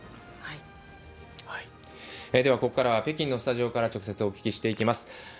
ここから北京のスタジオから直接お聞きしていきます。